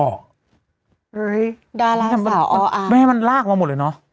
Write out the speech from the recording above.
ดาราสาวอ้ออ่างไม่มันลากมาหมดเลยเนอะ